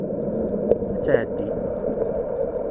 Ad tɛeddi.